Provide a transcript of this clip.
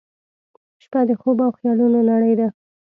• شپه د خوب او خیالونو نړۍ ده.